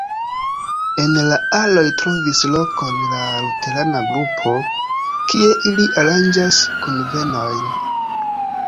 En la aloj trovis lokon la luterana grupo, kie ili aranĝas kunvenojn.